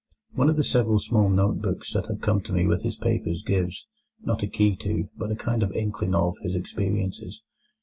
One of several small note books that have come to me with his papers gives, not a key to, but a kind of inkling of, his experiences.